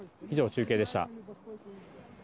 以上、中継でした。